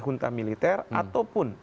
junta militer ataupun